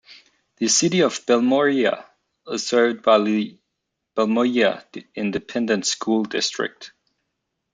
The City of Balmorhea is served by the Balmorhea Independent School District.